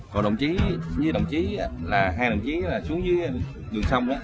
còn đồng chí dưới đồng chí hai đồng chí xuống dưới đường sông